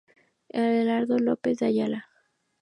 Adelardo López de Ayala.